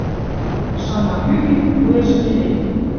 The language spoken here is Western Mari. Шана кӱ гӹнь, войыжы керек.